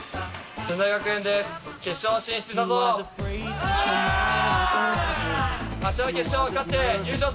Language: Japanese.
駿台学園です